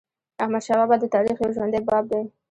احمدشاه بابا د تاریخ یو ژوندی باب دی.